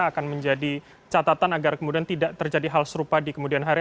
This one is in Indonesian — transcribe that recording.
akan menjadi catatan agar kemudian tidak terjadi hal serupa di kemudian hari